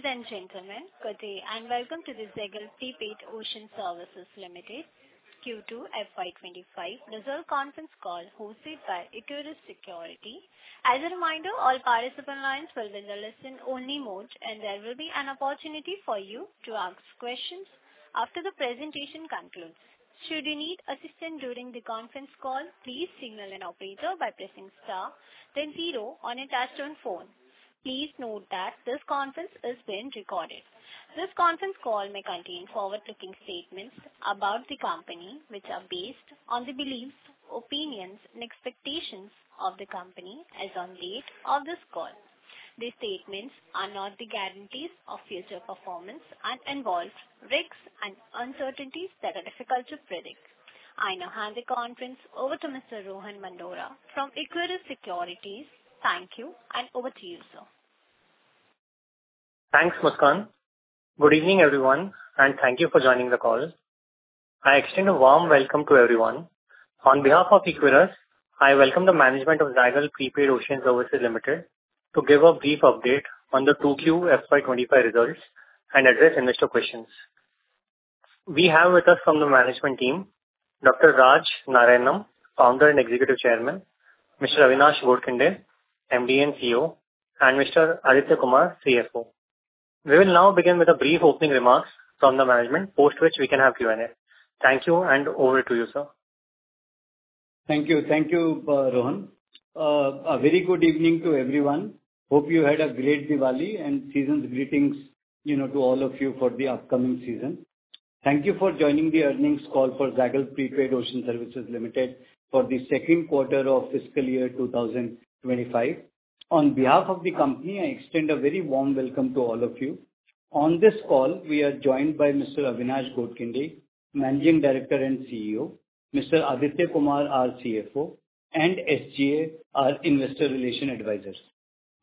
Ladies and gentlemen, good day and welcome to the Zaggle Prepaid Ocean Services Limited Q2 FY25 Earnings Conference Call hosted by Equirus Securities. As a reminder, all participant lines will be in the listen-only mode, and there will be an opportunity for you to ask questions after the presentation concludes. Should you need assistance during the conference call, please signal an operator by pressing * then 0 on a touch-tone phone. Please note that this conference is being recorded. This conference call may contain forward-looking statements about the company, which are based on the beliefs, opinions, and expectations of the company as of the date of this call. These statements are not the guarantees of future performance and involve risks and uncertainties that are difficult to predict. I now hand the conference over to Mr. Rohan Mandora from Equirus Securities. Thank you, and over to you, sir. Thanks, Muskan. Good evening, everyone, and thank you for joining the call. I extend a warm welcome to everyone. On behalf of Equirus, I welcome the management of Zaggle Prepaid Ocean Services Limited to give a brief update on the Q2 FY25 results and address investor questions. We have with us from the management team, Dr. Raj Narayanam, Founder and Executive Chairman, Mr. Avinash Godkhindi, MD and CEO, and Mr. Aditya Kumar, CFO. We will now begin with a brief opening remarks from the management, post which we can have Q&A. Thank you, and over to you, sir. Thank you. Thank you, Rohan. A very good evening to everyone. Hope you had a great Diwali and season's greetings to all of you for the upcoming season. Thank you for joining the earnings call for Zaggle Prepaid Ocean Services Limited for the second quarter of fiscal year 2025. On behalf of the company, I extend a very warm welcome to all of you. On this call, we are joined by Mr. Avinash Godkhindi, Managing Director and CEO, Mr. Aditya Kumar, our CFO, and SGA, our Investor Relations Advisors.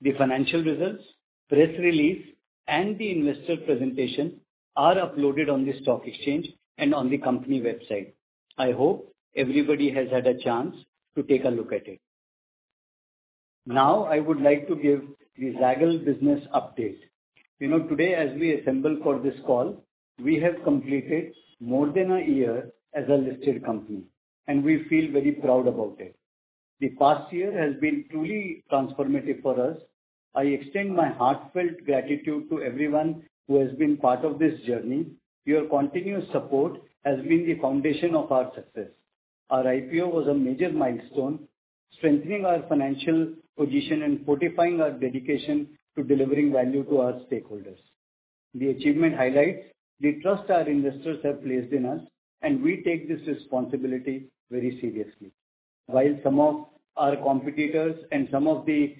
The financial results, press release, and the investor presentation are uploaded on the stock exchange and on the company website. I hope everybody has had a chance to take a look at it. Now, I would like to give the Zaggle business update. Today, as we assemble for this call, we have completed more than a year as a listed company, and we feel very proud about it. The past year has been truly transformative for us. I extend my heartfelt gratitude to everyone who has been part of this journey. Your continuous support has been the foundation of our success. Our IPO was a major milestone, strengthening our financial position and fortifying our dedication to delivering value to our stakeholders. The achievement highlights the trust our investors have placed in us, and we take this responsibility very seriously. While some of our competitors and some of the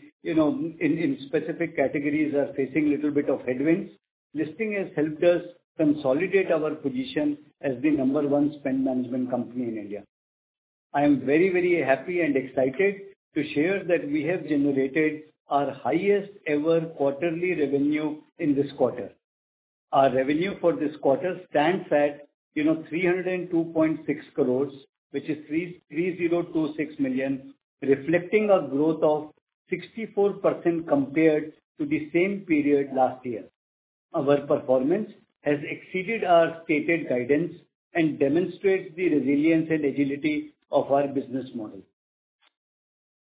specific categories are facing a little bit of headwinds, listing has helped us consolidate our position as the number one spend management company in India. I am very, very happy and excited to share that we have generated our highest-ever quarterly revenue in this quarter. Our revenue for this quarter stands at 302.6 crores, which is 3,026 million, reflecting a growth of 64% compared to the same period last year. Our performance has exceeded our stated guidance and demonstrates the resilience and agility of our business model.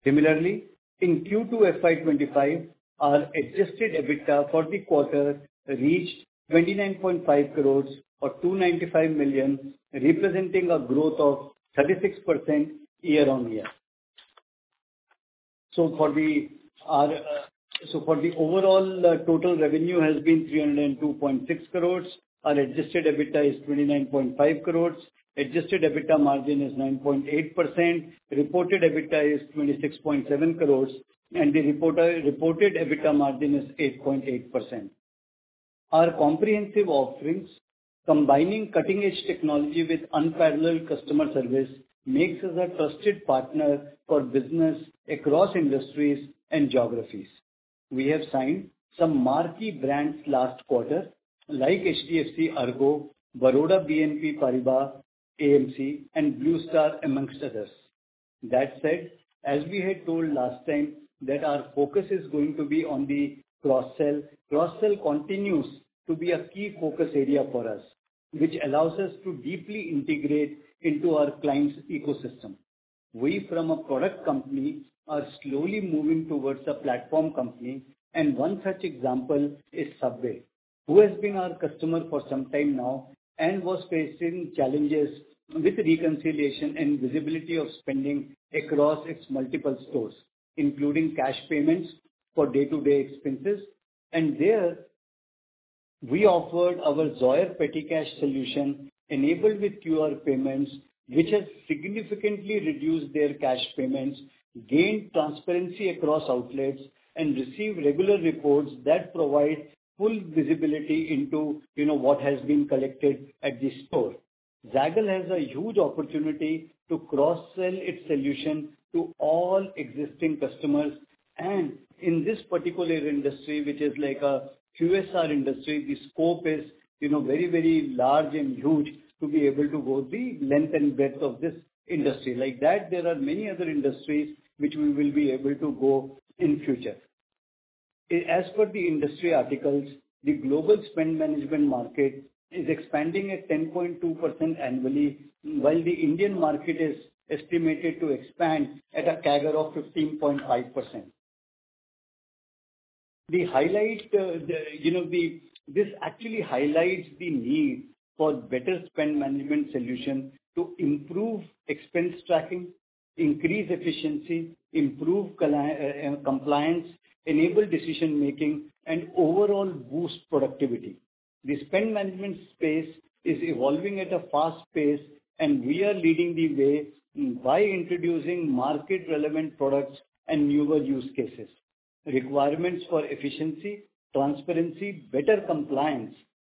Similarly, in Q2 FY25, our adjusted EBITDA for the quarter reached 29.5 crores, or 295 million, representing a growth of 36% year-on-year. So for the overall total revenue has been 302.6 crores. Our adjusted EBITDA is 29.5 crores. Adjusted EBITDA margin is 9.8%. Reported EBITDA is 26.7 crores, and the reported EBITDA margin is 8.8%. Our comprehensive offerings, combining cutting-edge technology with unparalleled customer service, make us a trusted partner for business across industries and geographies. We have signed some marquee brands last quarter, like HDFC ERGO, Baroda BNP Paribas AMC, and Blue Star, among others. That said, as we had told last time, our focus is going to be on the cross-sell. Cross-sell continues to be a key focus area for us, which allows us to deeply integrate into our clients' ecosystem. We, from a product company, are slowly moving towards a platform company, and one such example is Subway, who has been our customer for some time now and was facing challenges with reconciliation and visibility of spending across its multiple stores, including cash payments for day-to-day expenses, and there, we offered our Zoyer Petty Cash solution, enabled with QR payments, which has significantly reduced their cash payments, gained transparency across outlets, and received regular reports that provide full visibility into what has been collected at the store. Zaggle has a huge opportunity to cross-sell its solution to all existing customers. In this particular industry, which is like a QSR industry, the scope is very, very large and huge to be able to go the length and breadth of this industry. Like that, there are many other industries which we will be able to go in the future. As for the industry articles, the global spend management market is expanding at 10.2% annually, while the Indian market is estimated to expand at a CAGR of 15.5%. This actually highlights the need for better spend management solutions to improve expense tracking, increase efficiency, improve compliance, enable decision-making, and overall boost productivity. The spend management space is evolving at a fast pace, and we are leading the way by introducing market-relevant products and newer use cases. Requirements for efficiency, transparency, better compliance,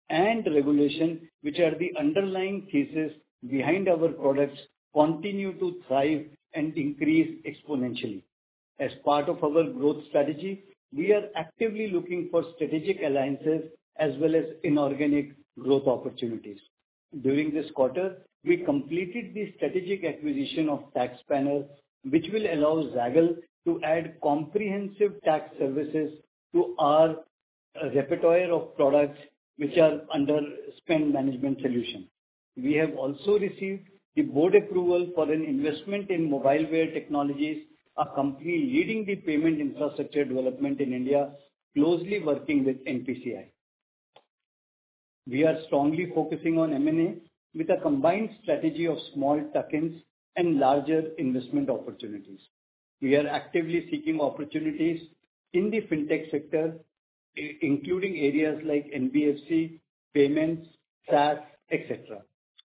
and regulation, which are the underlying thesis behind our products, continue to thrive and increase exponentially. As part of our growth strategy, we are actively looking for strategic alliances as well as inorganic growth opportunities. During this quarter, we completed the strategic acquisition of TaxSpanner, which will allow Zaggle to add comprehensive tax services to our repertoire of products which are under spend management solutions. We have also received the board approval for an investment in Mobileware Technologies, a company leading the payment infrastructure development in India, closely working with NPCI. We are strongly focusing on M&A with a combined strategy of small tokens and larger investment opportunities. We are actively seeking opportunities in the fintech sector, including areas like NBFC, payments, SaaS, etc.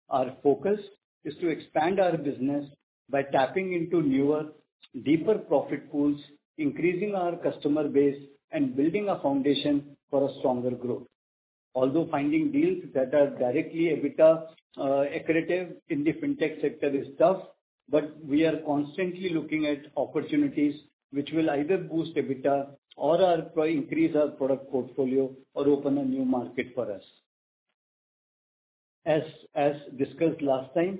Our focus is to expand our business by tapping into newer, deeper profit pools, increasing our customer base, and building a foundation for a stronger growth. Although finding deals that are directly EBITDA accretive in the fintech sector is tough, we are constantly looking at opportunities which will either boost EBITDA or increase our product portfolio or open a new market for us. As discussed last time,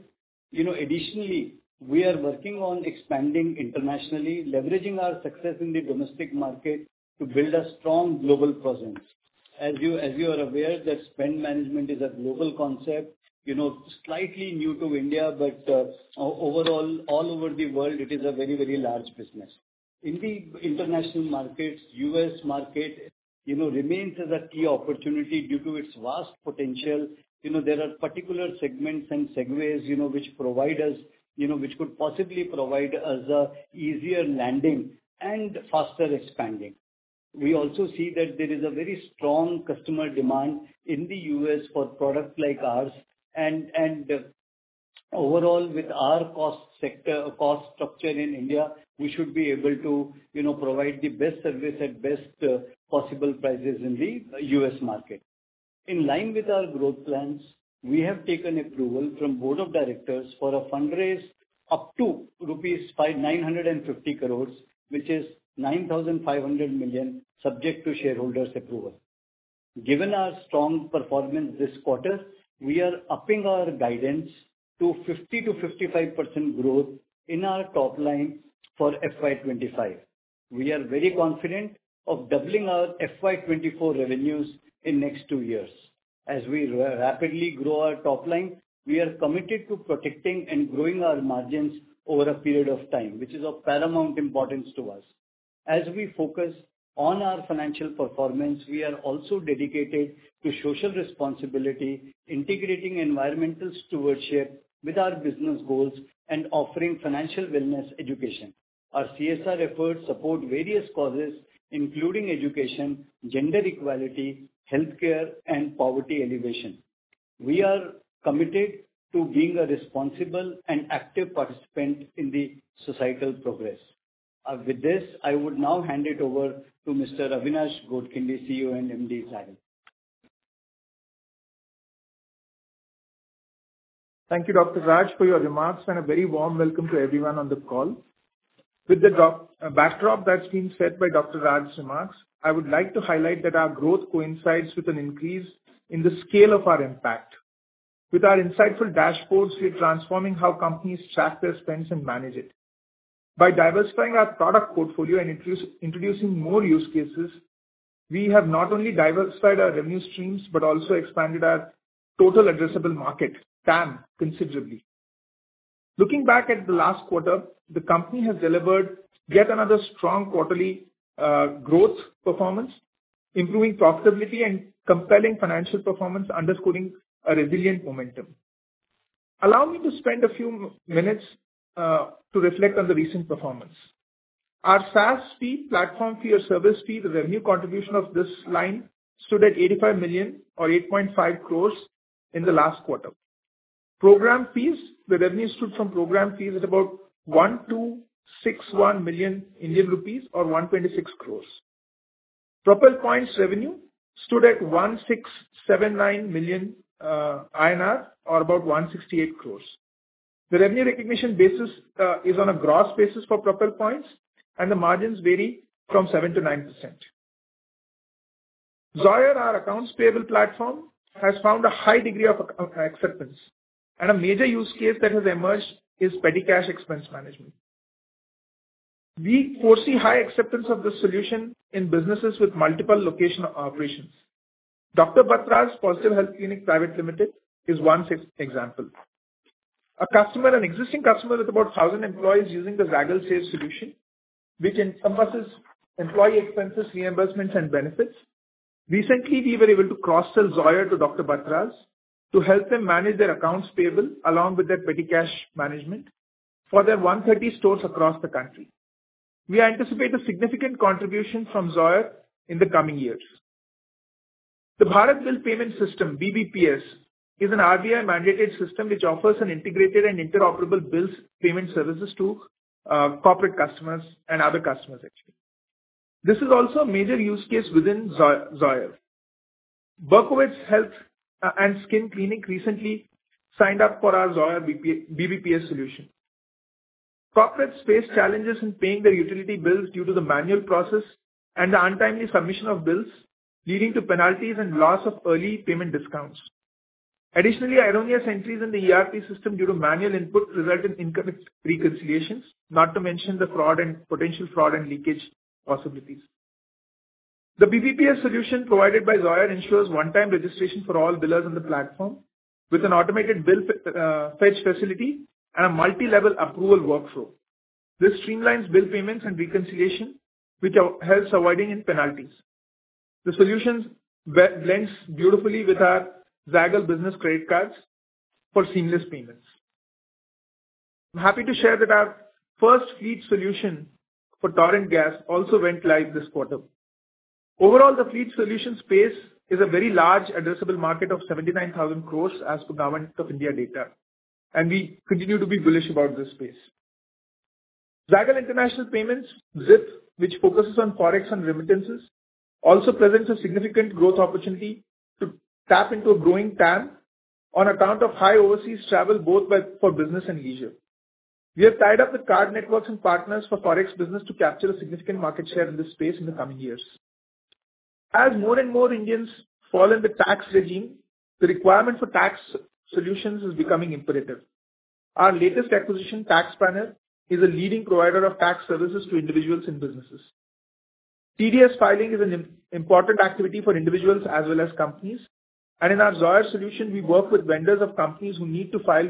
additionally, we are working on expanding internationally, leveraging our success in the domestic market to build a strong global presence. As you are aware, spend management is a global concept, slightly new to India, but all over the world, it is a very, very large business. In the international markets, the U.S. market remains as a key opportunity due to its vast potential. There are particular segments and segues which could possibly provide us easier landing and faster expanding. We also see that there is a very strong customer demand in the U.S. for products like ours. Overall, with our cost structure in India, we should be able to provide the best service at best possible prices in the US market. In line with our growth plans, we have taken approval from the board of directors for a fundraise up to ₹950 crores, which is 9,500 million, subject to shareholders' approval. Given our strong performance this quarter, we are upping our guidance to 50%-55% growth in our top line for FY25. We are very confident of doubling our FY24 revenues in the next two years. As we rapidly grow our top line, we are committed to protecting and growing our margins over a period of time, which is of paramount importance to us. As we focus on our financial performance, we are also dedicated to social responsibility, integrating environmental stewardship with our business goals, and offering financial wellness education. Our CSR efforts support various causes, including education, gender equality, healthcare, and poverty alleviation. We are committed to being a responsible and active participant in the societal progress. With this, I would now hand it over to Mr. Avinash Godkhindi, CEO and MD Zaggle. Thank you, Dr. Raj, for your remarks, and a very warm welcome to everyone on the call. With the backdrop that's been set by Dr. Raj's remarks, I would like to highlight that our growth coincides with an increase in the scale of our impact. With our insightful dashboards, we are transforming how companies track their spends and manage it. By diversifying our product portfolio and introducing more use cases, we have not only diversified our revenue streams but also expanded our total addressable market, TAM, considerably. Looking back at the last quarter, the company has delivered yet another strong quarterly growth performance, improving profitability and compelling financial performance, underscoring a resilient momentum. Allow me to spend a few minutes to reflect on the recent performance. Our SaaS fee, platform fee, or service fee, the revenue contribution of this line stood at 85 million or 8.5 crores in the last quarter. Program fees, the revenue stood from program fees at about 1,261 million Indian rupees or 126 crores. Propel Points revenue stood at 1,679 million INR or about 168 crores. The revenue recognition basis is on a gross basis for Propel Points, and the margins vary from 7% to 9%. Zoyer, our accounts payable platform, has found a high degree of acceptance, and a major use case that has emerged is petty cash expense management. We foresee high acceptance of the solution in businesses with multiple location operations. Dr. Batra's Positive Health Clinic Private Limited is one example. A customer, an existing customer with about 1,000 employees using the Zaggle Save solution, which encompasses employee expenses, reimbursements, and benefits. Recently, we were able to cross-sell Zoyer to Dr. Batra's to help them manage their accounts payable along with their petty cash management for their 130 stores across the country. We anticipate a significant contribution from Zoyer in the coming years. The Bharat Bill Payment System, BBPS, is an RBI-mandated system which offers an integrated and interoperable bills payment services to corporate customers and other customers, actually. This is also a major use case within Zoyer. Berkowits Hair & Skin Clinic recently signed up for our Zoyer BBPS solution. Corporates face challenges in paying their utility bills due to the manual process and the untimely submission of bills, leading to penalties and loss of early payment discounts. Additionally, erroneous entries in the ERP system due to manual input result in incorrect reconciliations, not to mention the potential fraud and leakage possibilities. The BBPS solution provided by Zoyer ensures one-time registration for all billers on the platform with an automated bill fetch facility and a multi-level approval workflow. This streamlines bill payments and reconciliation, which helps avoiding penalties. The solution blends beautifully with our Zaggle business credit cards for seamless payments. I'm happy to share that our first fleet solution for Torrent Gas also went live this quarter. Overall, the fleet solution space is a very large addressable market of 79,000 crores as per Government of India data, and we continue to be bullish about this space. Zaggle International Payments ZIP, which focuses on forex and remittances, also presents a significant growth opportunity to tap into a growing TAM on account of high overseas travel both for business and leisure. We have tied up the card networks and partners for forex business to capture a significant market share in this space in the coming years. As more and more Indians fall under tax regime, the requirement for tax solutions is becoming imperative. Our latest acquisition, TaxSpanner, is a leading provider of tax services to individuals and businesses. TDS filing is an important activity for individuals as well as companies, and in our Zoyer solution, we work with vendors of companies who need to file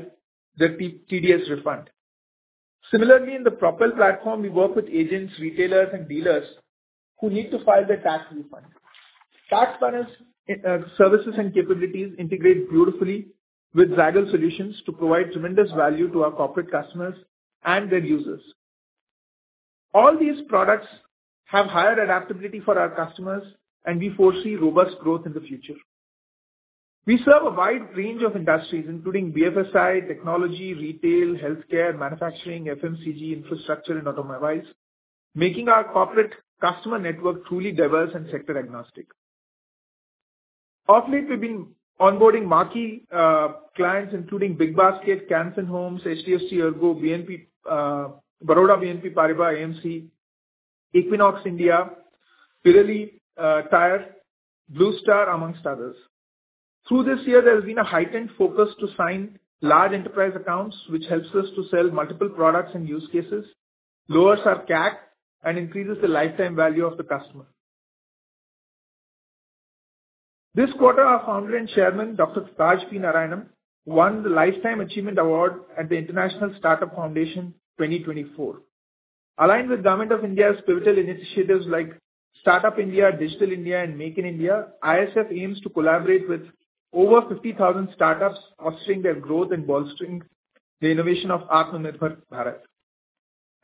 their TDS refund. Similarly, in the Propel platform, we work with agents, retailers, and dealers who need to file their tax refund. TaxSpanner's services and capabilities integrate beautifully with Zaggle solutions to provide tremendous value to our corporate customers and their users. All these products have higher adaptability for our customers, and we foresee robust growth in the future. We serve a wide range of industries, including BFSI technology, retail, healthcare, manufacturing, FMCG, infrastructure, and automobiles, making our corporate customer network truly diverse and sector-agnostic. Of late, we've been onboarding marquee clients, including BigBasket, Can Fin Homes, HDFC ERGO, Baroda BNP Paribas AMC, Equinox India, Pirelli Tyre, Blue Star, among others. Through this year, there has been a heightened focus to sign large enterprise accounts, which helps us to sell multiple products and use cases, lowers our CAC, and increases the lifetime value of the customer. This quarter, our founder and chairman, Dr. Prakash P. Narayanam, won the Lifetime Achievement Award at the International Startup Foundation 2024. Aligned with Government of India's pivotal initiatives like Startup India, Digital India, and Make in India, ISF aims to collaborate with over 50,000 startups fostering their growth and bolstering the innovation of AAPNO Network Bharat.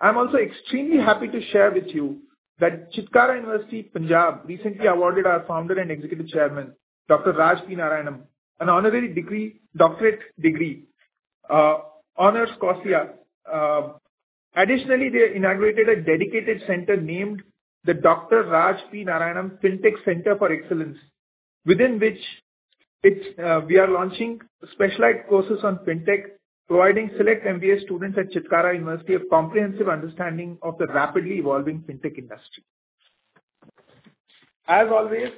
I'm also extremely happy to share with you that Chitkara University, Punjab, recently awarded our founder and executive chairman, Dr. Raj P. Narayanam, an honorary doctorate degree honoris causa. Additionally, they inaugurated a dedicated center named the Dr. Raj P. Narayanam Fintech Center for Excellence, within which we are launching specialized courses on fintech, providing select MBA students at Chitkara University a comprehensive understanding of the rapidly evolving fintech industry. As always,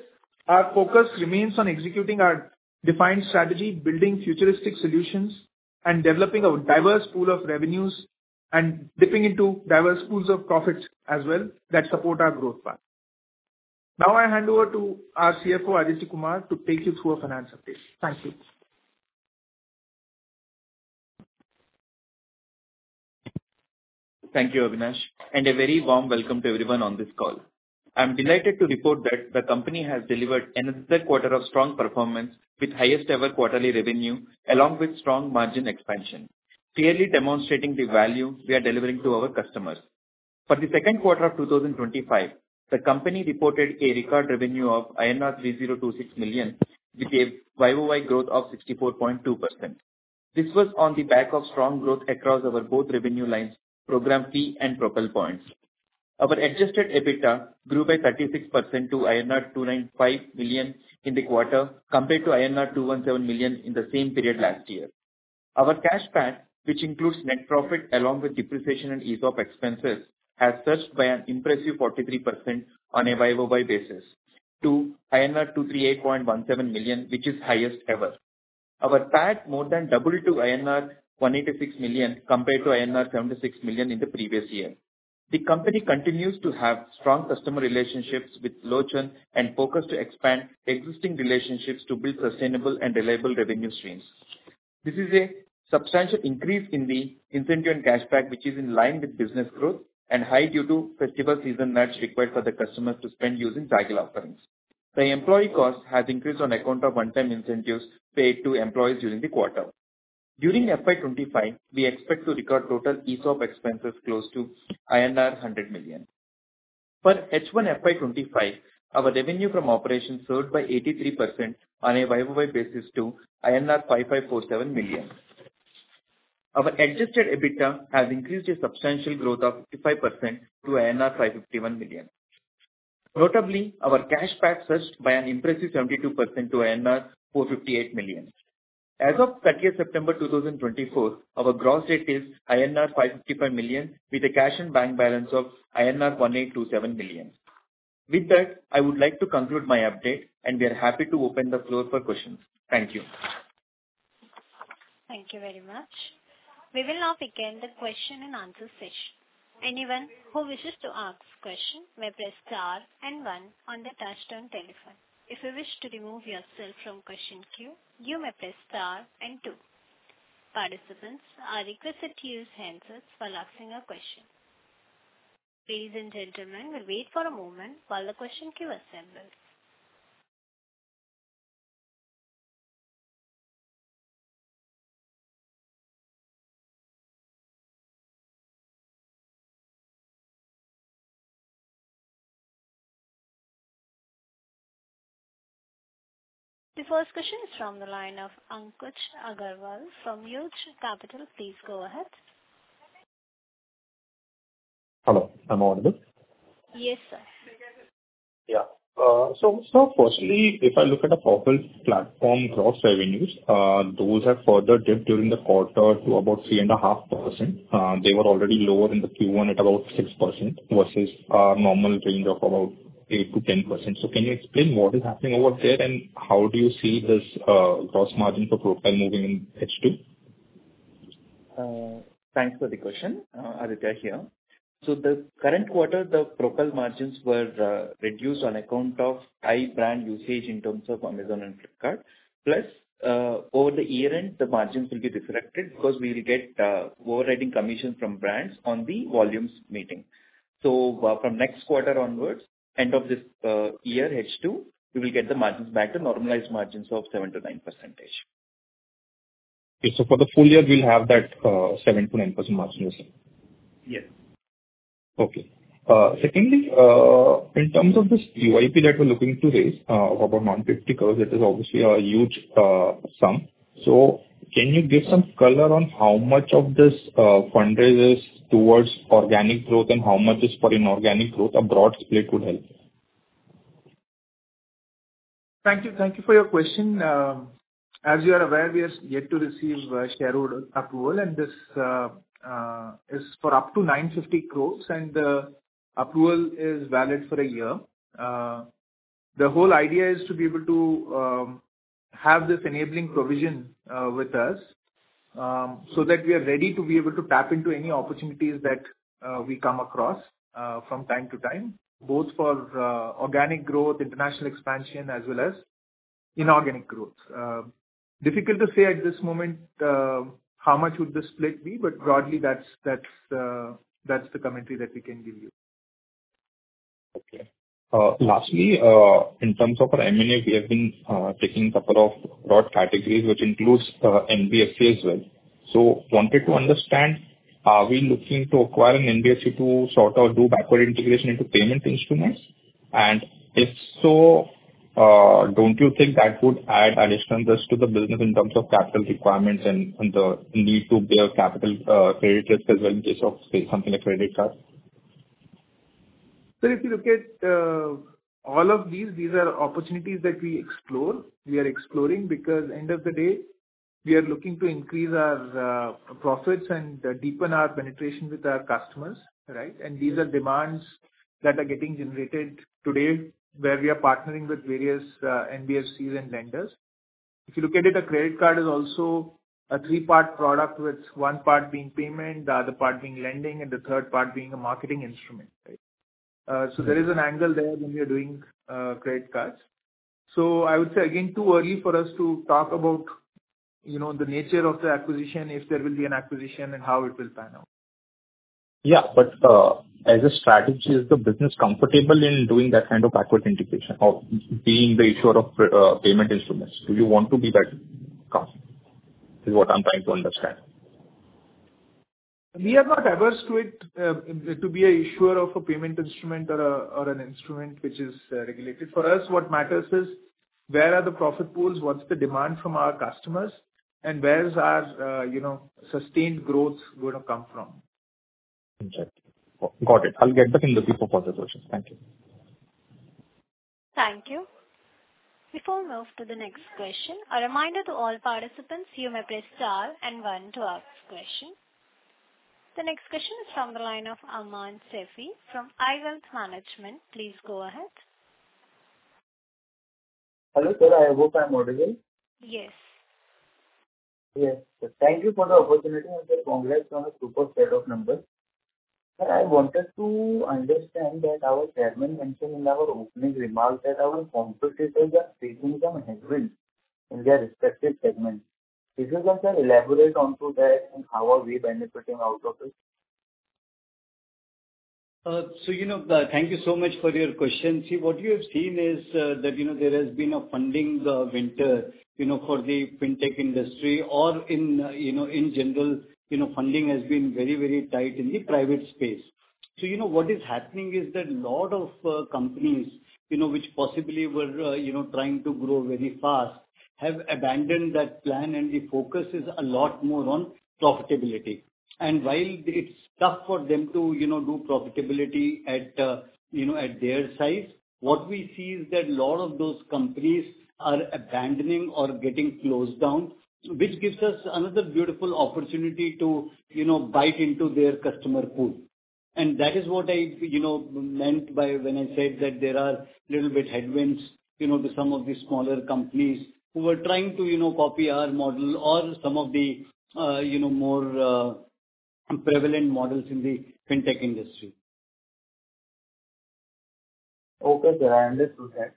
our focus remains on executing our defined strategy, building futuristic solutions, and developing a diverse pool of revenues and dipping into diverse pools of profits as well that support our growth path. Now I hand over to our CFO, Aditya Kumar, to take you through a finance update. Thank you. Thank you, Avinash, and a very warm welcome to everyone on this call. I'm delighted to report that the company has delivered another quarter of strong performance with highest-ever quarterly revenue, along with strong margin expansion, clearly demonstrating the value we are delivering to our customers. For the second quarter of 2025, the company reported a record revenue of 3,026 million, with a YOY growth of 64.2%. This was on the back of strong growth across our both revenue lines, Program Fee and Propel Points. Our adjusted EBITDA grew by 36% to INR 295 million in the quarter, compared to INR 217 million in the same period last year. Our cash PAT, which includes net profit along with depreciation and amortization of expenses, has surged by an impressive 43% on a YOY basis to INR 238.17 million, which is highest ever. Our PAT more than doubled to INR 186 million, compared to INR 76 million in the previous year. The company continues to have strong customer relationships with Lochan and focuses to expand existing relationships to build sustainable and reliable revenue streams. This is a substantial increase in the incentive and cash PAT, which is in line with business growth and high due to festival season which required for the customers to spend using Zaggle offerings. The employee cost has increased on account of one-time incentives paid to employees during the quarter. During FY25, we expect to record total ESOP expenses close to INR 100 million. For H1 FY25, our revenue from operations grew by 83% on a YOY basis to INR 5,547 million. Our adjusted EBITDA has increased a substantial growth of 55% to 551 million. Notably, our cash PAT surged by an impressive 72% to 458 million. As of 30 September 2024, our gross rate is INR 555 million, with a cash and bank balance of INR 1,827 million. With that, I would like to conclude my update, and we are happy to open the floor for questions. Thank you. Thank you very much. We will now begin the question and answer session. Anyone who wishes to ask a question may press star and one on the touch-tone telephone. If you wish to remove yourself from question queue, you may press star and two. Participants are requested to use handsets while asking a question. Ladies and gentlemen, we'll wait for a moment while the question queue assembles. The first question is from the line of Ankush Agrawal from Yieldshare Capital. Please go ahead. Hello. I'm audible? Yes, sir. Yeah. So firstly, if I look at the Propel platform gross revenues, those have further dipped during the quarter to about 3.5%. They were already lower in the Q1 at about 6% versus our normal range of about 8%-10%. So can you explain what is happening over there and how do you see this gross margin for Propel moving in H2? Thanks for the question. Aditya here. So the current quarter, the Propel margins were reduced on account of high brand usage in terms of Amazon and Flipkart. Plus, over the year end, the margins will be disrupted because we will get overriding commissions from brands on the volumes meeting. So from next quarter onwards, end of this year H2, we will get the margins back to normalized margins of 7%-9%. Okay. So for the full year, we'll have that 7%-9% margin? Yes. Okay. Secondly, in terms of this QIP that we're looking to raise of about 150 crores, it is obviously a huge sum. So can you give some color on how much of this fundraise is towards organic growth and how much is for inorganic growth? A broad split would help. Thank you. Thank you for your question. As you are aware, we have yet to receive shareholder approval, and this is for up to 950 crores, and the approval is valid for a year. The whole idea is to be able to have this enabling provision with us so that we are ready to be able to tap into any opportunities that we come across from time to time, both for organic growth, international expansion, as well as inorganic growth. Difficult to say at this moment how much would the split be, but broadly, that's the commentary that we can give you. Okay. Lastly, in terms of our M&A, we have been taking a couple of broad categories, which includes NBFC as well. So wanted to understand, are we looking to acquire an NBFC to sort of do backward integration into payment instruments? And if so, don't you think that would add additional risk to the business in terms of capital requirements and the need to bear capital credit risk as well in case of something like credit card? So if you look at all of these, these are opportunities that we explore. We are exploring because end of the day, we are looking to increase our profits and deepen our penetration with our customers, right? And these are demands that are getting generated today where we are partnering with various NBFCs and lenders. If you look at it, a credit card is also a three-part product with one part being payment, the other part being lending, and the third part being a marketing instrument, right? So I would say, again, too early for us to talk about the nature of the acquisition, if there will be an acquisition, and how it will pan out. Yeah, but as a strategy, is the business comfortable in doing that kind of backward integration of being the issuer of payment instruments? Do you want to be that company? This is what I'm trying to understand. We are not averse to it being an issuer of a payment instrument or an instrument which is regulated. For us, what matters is where are the profit pools, what's the demand from our customers, and where is our sustained growth going to come from? Got it. I'll get back and looking for further questions. Thank you. Thank you. Before we move to the next question, a reminder to all participants, you may press star and one to ask question. The next question is from the line of Aman Sefi from iWealth Management. Please go ahead. Hello, sir. I hope I'm audible? Yes. Yes. Thank you for the opportunity. Congrats on a super set of numbers. I wanted to understand that our chairman mentioned in our opening remark that our competitors are taking some headwinds in their respective segments. If you can elaborate onto that and how are we benefiting out of it? So thank you so much for your question. See, what you have seen is that there has been a funding winter for the fintech industry, or in general, funding has been very, very tight in the private space. So what is happening is that a lot of companies which possibly were trying to grow very fast have abandoned that plan, and the focus is a lot more on profitability. And while it's tough for them to do profitability at their size, what we see is that a lot of those companies are abandoning or getting closed down, which gives us another beautiful opportunity to bite into their customer pool. And that is what I meant by when I said that there are a little bit headwinds to some of the smaller companies who were trying to copy our model or some of the more prevalent models in the fintech industry. Okay, sir. I understood that.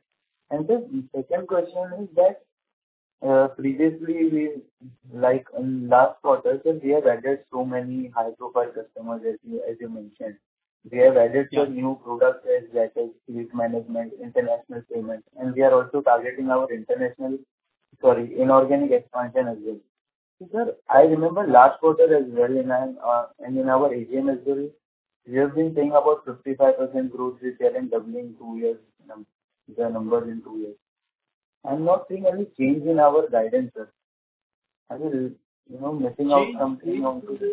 And then the second question is that previously, like last quarter, we have added so many high-profile customers, as you mentioned. We have added some new products such as fleet management, international payments, and we are also targeting our international, sorry, inorganic expansion as well. Sir, I remember last quarter as well, and in our AGM as well, we have been seeing about 55% growth this year and doubling in two years, the numbers in two years. I'm not seeing any change in our guidance, sir. Are you missing out something on today?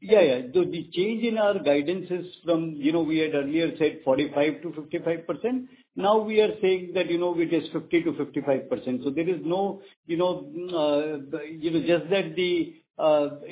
Yeah, yeah. The change in our guidance is from we had earlier said 45%-55%. Now we are saying that it is 50%-55%. So there is no just that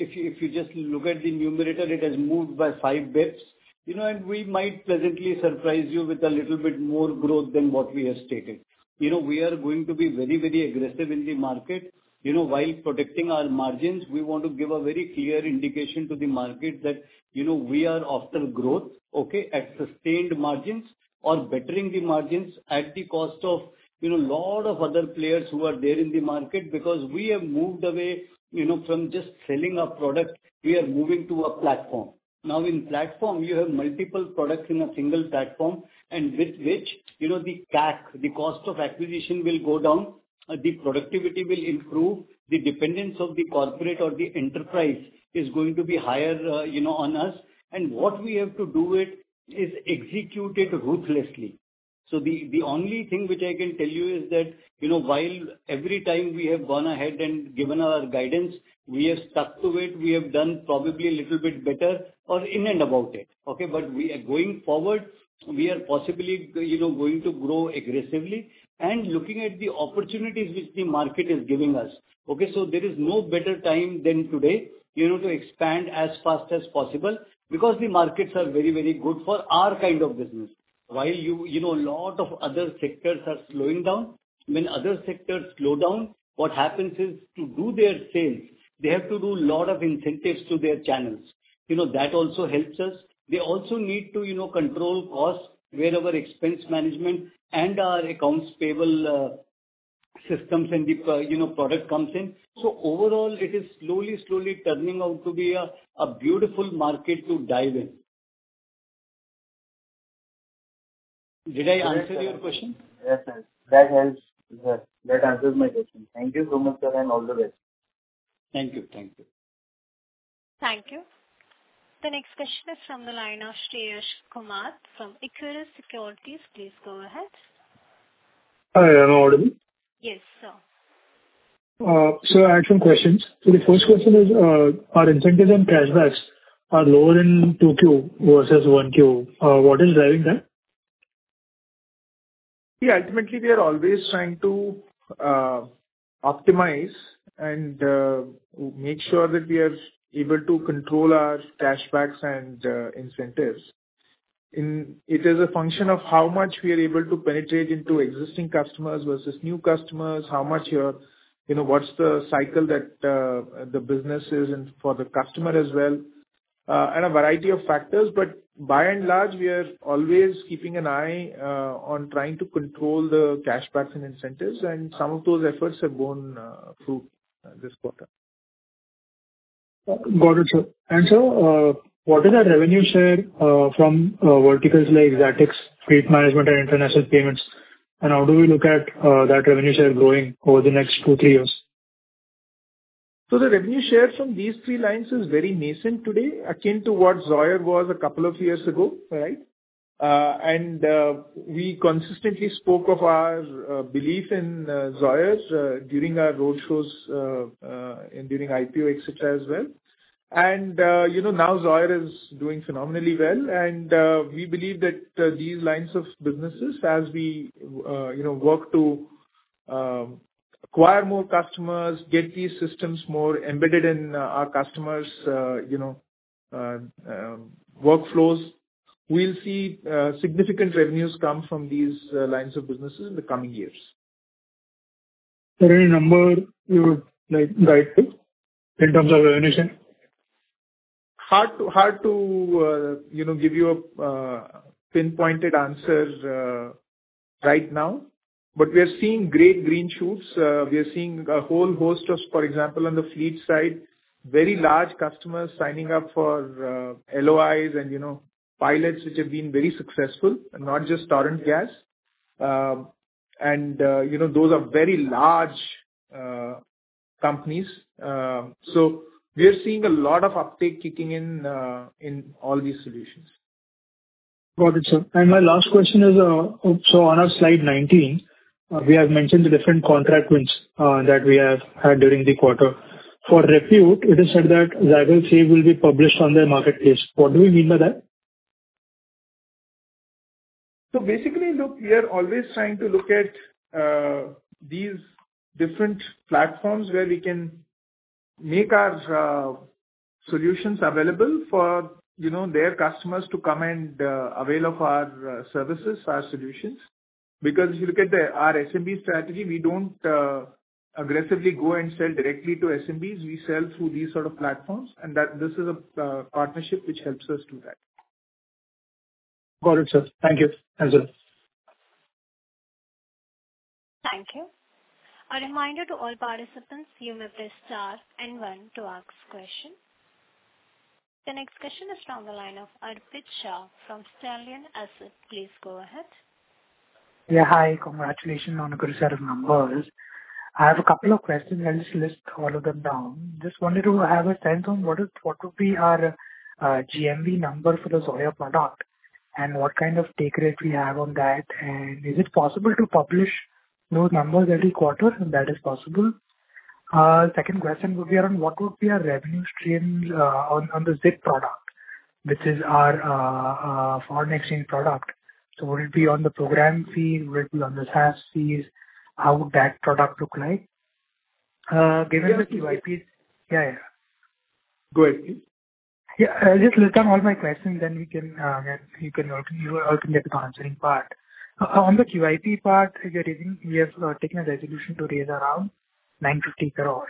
if you just look at the numerator, it has moved by five basis points, and we might pleasantly surprise you with a little bit more growth than what we have stated. We are going to be very, very aggressive in the market. While protecting our margins, we want to give a very clear indication to the market that we are after growth, okay, at sustained margins or bettering the margins at the cost of a lot of other players who are there in the market because we have moved away from just selling a product. We are moving to a platform. Now, in platform, you have multiple products in a single platform, and with which the CAC, the cost of acquisition, will go down. The productivity will improve. The dependence of the corporate or the enterprise is going to be higher on us. And what we have to do is execute it ruthlessly. So the only thing which I can tell you is that while every time we have gone ahead and given our guidance, we have stuck to it. We have done probably a little bit better or in and about it, okay? But going forward, we are possibly going to grow aggressively and looking at the opportunities which the market is giving us. Okay? So there is no better time than today to expand as fast as possible because the markets are very, very good for our kind of business. While a lot of other sectors are slowing down, when other sectors slow down, what happens is to do their sales, they have to do a lot of incentives to their channels. That also helps us. They also need to control costs, wherever expense management and our accounts payable systems and the product comes in. So overall, it is slowly, slowly turning out to be a beautiful market to dive in. Did I answer your question? Yes, sir. That answers my question. Thank you so much, sir, and all the best. Thank you. Thank you. Thank you. The next question is from the line of Shreyash Kumar from Equirus Securities. Please go ahead. Hi. I'm audible? Yes, sir. Sir, I have some questions. So the first question is, our incentives and cashbacks are lower in 2Q versus 1Q. What is driving that? Yeah. Ultimately, we are always trying to optimize and make sure that we are able to control our cashbacks and incentives. It is a function of how much we are able to penetrate into existing customers versus new customers, how much you're what's the cycle that the business is in for the customer as well, and a variety of factors. But by and large, we are always keeping an eye on trying to control the cashbacks and incentives, and some of those efforts have borne fruit this quarter. Got it, sir. And sir, what is our revenue share from verticals like ZaTix, fleet management, and international payments? And how do we look at that revenue share growing over the next two, three years? So the revenue share from these three lines is very nascent today, akin to what Zoyer was a couple of years ago, right? And we consistently spoke of our belief in Zoyer during our roadshows and during IPO, etc., as well. And now Zoyer is doing phenomenally well. And we believe that these lines of businesses, as we work to acquire more customers, get these systems more embedded in our customers' workflows, we'll see significant revenues come from these lines of businesses in the coming years. Are there any numbers you would like to guide to in terms of revenue share? Hard to give you a pinpointed answer right now, but we are seeing great green shoots. We are seeing a whole host of, for example, on the fleet side, very large customers signing up for LOIs and pilots which have been very successful, not just Torrent Gas. And those are very large companies. So we are seeing a lot of uptake kicking in in all these solutions. Got it, sir. And my last question is, so on our slide 19, we have mentioned the different contract wins that we have had during the quarter. For fleet, it is said that Zatix will be published on the marketplace. What do we mean by that? So basically, look, we are always trying to look at these different platforms where we can make our solutions available for their customers to come and avail of our services, our solutions. Because if you look at our SMB strategy, we don't aggressively go and sell directly to SMBs. We sell through these sort of platforms, and this is a partnership which helps us do that. Got it, sir. Thank you, and sir. Thank you. A reminder to all participants, you may press star and one to ask question. The next question is from the line of Arpit Shah from Stallion Asset. Please go ahead. Yeah. Hi. Congratulations on a good set of numbers. I have a couple of questions. I'll just list all of them down. Just wanted to have a sense on what would be our GMV number for the Zoyer product and what kind of take rate we have on that. And is it possible to publish those numbers every quarter? That is possible. Second question would be around what would be our revenue stream on the ZIP product, which is our foreign exchange product? So would it be on the program fee? Would it be on the SaaS fees? How would that product look like? Given the QIP? Yes. Yeah, yeah. Go ahead, please. Yeah. Just list down all my questions, then you can get to the answering part. On the QIP part, we have taken a resolution to raise around 950 crores.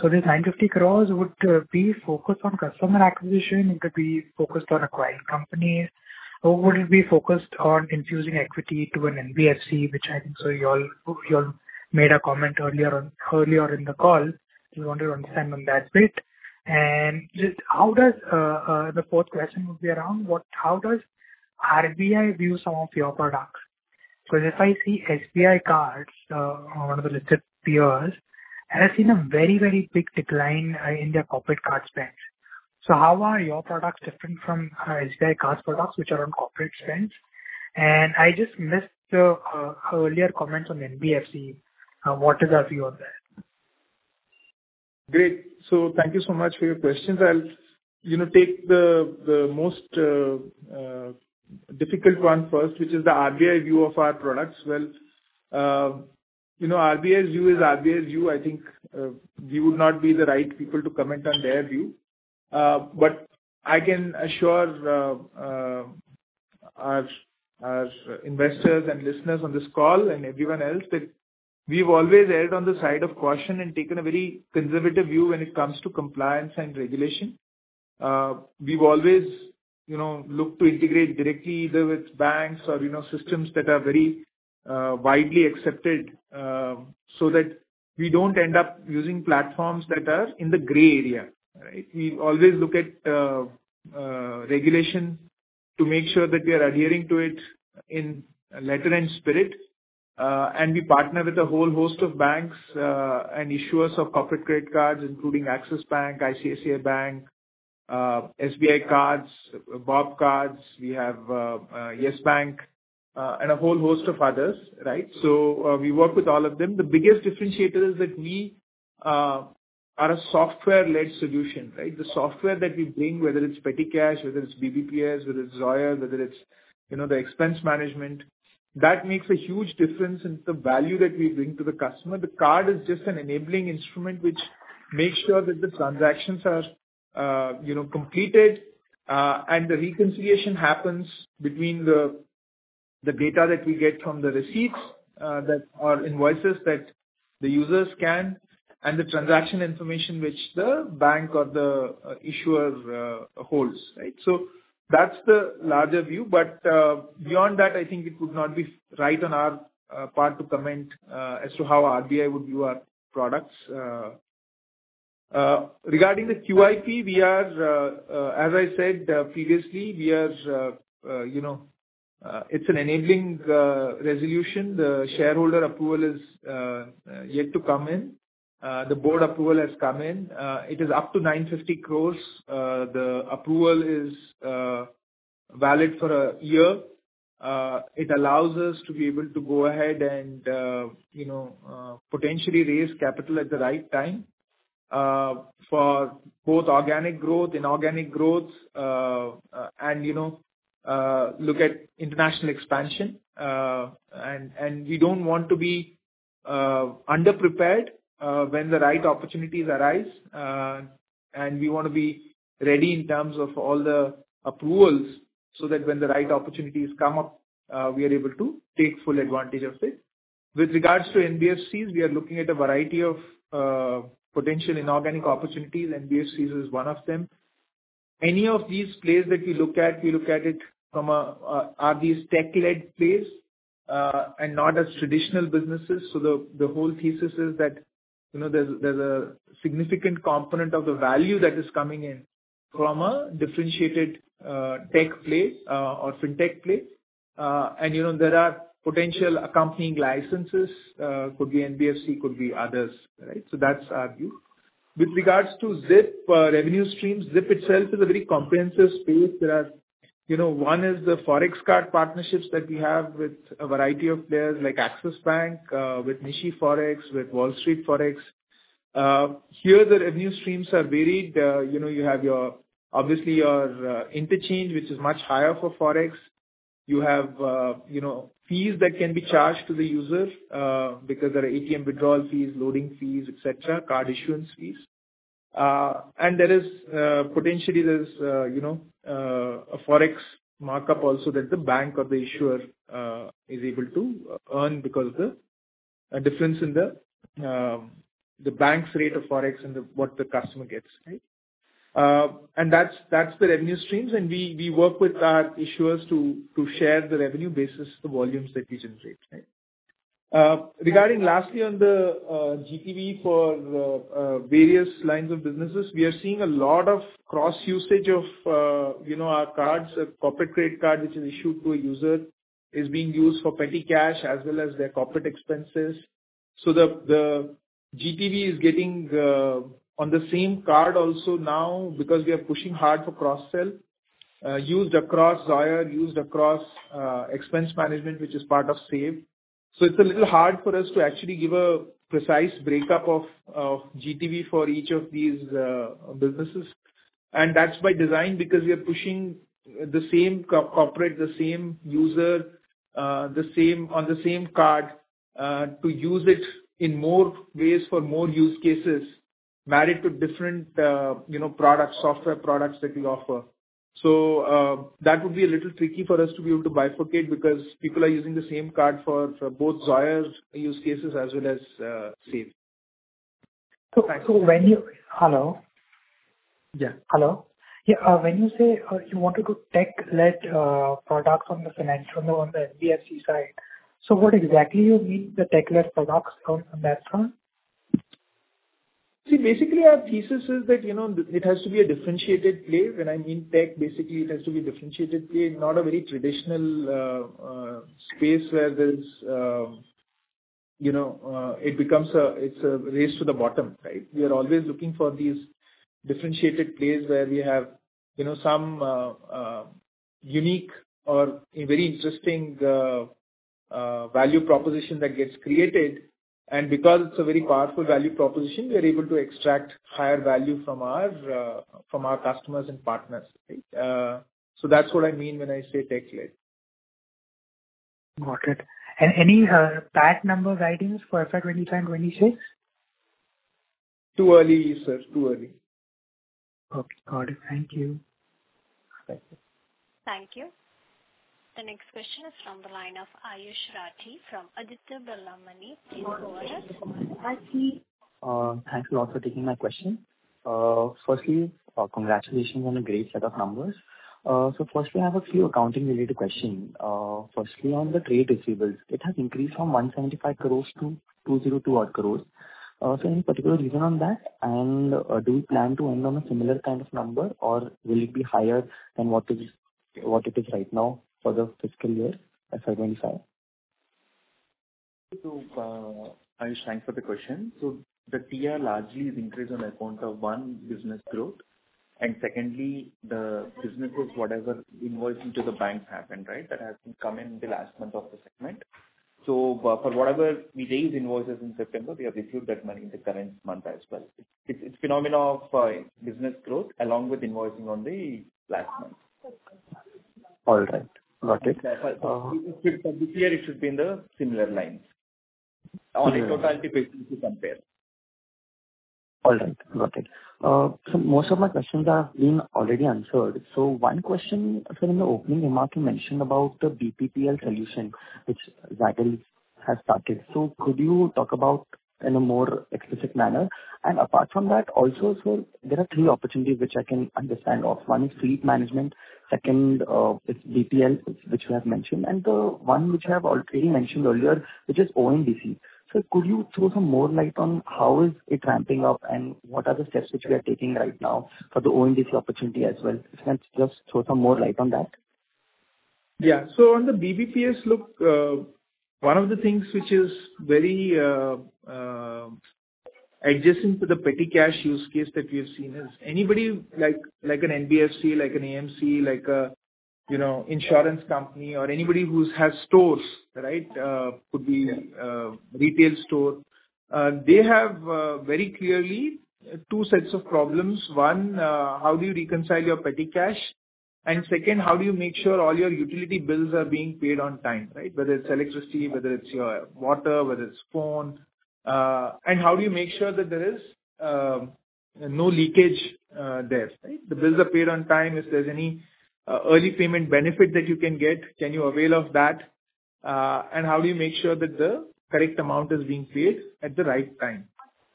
So this 950 crores would be focused on customer acquisition. It could be focused on acquiring companies. Or would it be focused on infusing equity to an NBFC, which I think you all made a comment earlier in the call? We wanted to understand on that bit. And just how does the fourth question would be around how does RBI view some of your products? Because if I see SBI Cards on one of the listed peers, I have seen a very, very big decline in their corporate card spend. So how are your products different from SBI Cards products which are on corporate spends? And I just missed the earlier comments on NBFC. What is your view on that? Great. So thank you so much for your questions. I'll take the most difficult one first, which is the RBI view of our products. Well, RBI's view is RBI's view. I think we would not be the right people to comment on their view. But I can assure our investors and listeners on this call and everyone else that we've always erred on the side of caution and taken a very conservative view when it comes to compliance and regulation. We've always looked to integrate directly either with banks or systems that are very widely accepted so that we don't end up using platforms that are in the gray area, right? We always look at regulation to make sure that we are adhering to it in letter and spirit. We partner with a whole host of banks and issuers of corporate credit cards, including Axis Bank, ICICI Bank, SBI Cards, Bobcards. We have Yes Bank and a whole host of others, right? So we work with all of them. The biggest differentiator is that we are a software-led solution, right? The software that we bring, whether it's Petty Cash, whether it's BBPS, whether it's Zoyer, whether it's the expense management, that makes a huge difference in the value that we bring to the customer. The card is just an enabling instrument which makes sure that the transactions are completed and the reconciliation happens between the data that we get from the receipts, that are invoices that the users scan, and the transaction information which the bank or the issuer holds, right? So that's the larger view. But beyond that, I think it would not be right on our part to comment as to how RBI would view our products. Regarding the QIP, as I said previously, it's an enabling resolution. The shareholder approval has yet to come in. The board approval has come in. It is up to 950 crores. The approval is valid for a year. It allows us to be able to go ahead and potentially raise capital at the right time for both organic growth, inorganic growth, and look at international expansion. And we don't want to be underprepared when the right opportunities arise. And we want to be ready in terms of all the approvals so that when the right opportunities come up, we are able to take full advantage of it. With regards to NBFCs, we are looking at a variety of potential inorganic opportunities. NBFCs is one of them. Any of these plays that we look at, we look at it from are these tech-led plays and not as traditional businesses, so the whole thesis is that there's a significant component of the value that is coming in from a differentiated tech play or fintech play, and there are potential accompanying licenses. It could be NBFC. It could be others, right, so that's our view. With regards to ZIP revenue streams, ZIP itself is a very comprehensive space. One is the forex card partnerships that we have with a variety of players like Axis Bank, with Nishi Forex, with Wall Street Forex. Here, the revenue streams are varied. You have obviously your interchange, which is much higher for forex. You have fees that can be charged to the user because there are ATM withdrawal fees, loading fees, etc., card issuance fees. Potentially, there's a forex markup also that the bank or the issuer is able to earn because of the difference in the bank's rate of forex and what the customer gets, right? And that's the revenue streams. And we work with our issuers to share the revenue basis the volumes that we generate, right? Regarding lastly on the GTV for various lines of businesses, we are seeing a lot of cross-usage of our cards. The corporate credit card, which is issued to a user, is being used for Petty Cash as well as their corporate expenses. So the GTV is getting on the same card also now because we are pushing hard for cross-sell used across Zoyer, used across expense management, which is part of Save. So it's a little hard for us to actually give a precise breakup of GTV for each of these businesses. And that's by design because we are pushing the same corporate, the same user, on the same card to use it in more ways for more use cases married to different products, software products that we offer. So that would be a little tricky for us to be able to bifurcate because people are using the same card for both Zoyer use cases as well as Save. So, when you hello? Yeah. Hello? Yeah. When you say you wanted to tech-led products on the NBFC side, so what exactly do you mean the tech-led products on that front? See, basically, our thesis is that it has to be a differentiated play. When I mean tech, basically, it has to be a differentiated play, not a very traditional space where it becomes a race to the bottom, right? We are always looking for these differentiated plays where we have some unique or very interesting value proposition that gets created. And because it's a very powerful value proposition, we are able to extract higher value from our customers and partners, right? So that's what I mean when I say tech-led. Got it. And any PAT number guidance for FY25 and 26? Too early, sir. Too early. Okay. Got it. Thank you. Thank you. Thank you. The next question is from the line of Ayush Rathi from Aditya Birla Money. Please go ahead. Thanks a lot for taking my question. Firstly, congratulations on a great set of numbers. So first, we have a few accounting-related questions. Firstly, on the trade receivables, it has increased from 175 crores to 202 odd crores. So any particular reason on that? And do you plan to end on a similar kind of number, or will it be higher than what it is right now for the fiscal year FY25? So Ayush, thanks for the question. So the tier largely is increased on account of one: business growth. And secondly, the businesses, whatever invoicing to the banks happened, right, that has come in the last month of the segment. So for whatever we raised invoices in September, we have reflowed that money in the current month as well. It's a phenomenon of business growth along with invoicing on the last month. All right. Got it. So for this year, it should be in the similar lines on a totality basis to compare. All right. Got it. So most of my questions have been already answered. So one question, sir. In the opening remark, you mentioned about the BBPS solution, which ZaTix has started. So could you talk about it in a more explicit manner? And apart from that, also, sir, there are three opportunities which I can understand of. One is fleet management. Second, it's BBPS, which we have mentioned. And the one which I have already mentioned earlier, which is ONDC. So could you throw some more light on how it is ramping up and what are the steps which we are taking right now for the ONDC opportunity as well? If you can just throw some more light on that. Yeah. So on the BBPS, look, one of the things which is very adjacent to the Petty Cash use case that we have seen is anybody like an NBFC, like an AMC, like an insurance company, or anybody who has stores, right, could be a retail store. They have very clearly two sets of problems. One, how do you reconcile your Petty Cash? And second, how do you make sure all your utility bills are being paid on time, right? Whether it's electricity, whether it's your water, whether it's phone. And how do you make sure that there is no leakage there, right? The bills are paid on time. If there's any early payment benefit that you can get, can you avail of that? And how do you make sure that the correct amount is being paid at the right time?